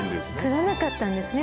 継がなかったんですね